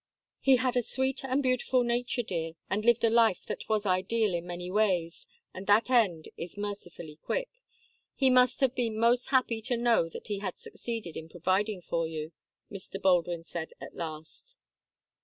"He had a sweet and beautiful nature, dear, and lived a life that was ideal, in many ways, and that end is mercifully quick. He must have been most happy to know that he had succeeded in providing for you," Mr. Baldwin said at last.